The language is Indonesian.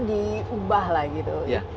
diubah lah gitu iya